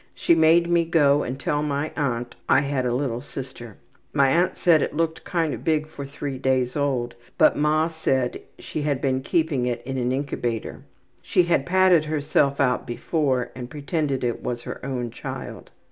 She made me go and tell my aunt I had a little sister. My aunt said it looked kind of big for 3 days old, but ma said she had been keeping it in an incubator. She had padded herself out before, and pretended it was her own child.